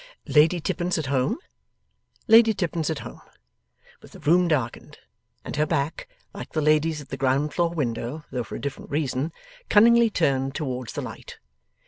Lady Tippins at home? Lady Tippins at home, with the room darkened, and her back (like the lady's at the ground floor window, though for a different reason) cunningly turned towards the light.